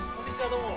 どうも。